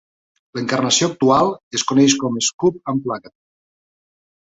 L'encarnació actual es coneix com "Scoop Unplugged".